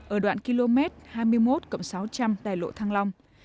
ở đoạn km hai mươi một sáu trăm linh đại lộ thăng long